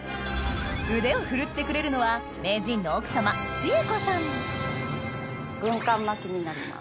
腕を振るってくれるのは名人の軍艦巻きになります。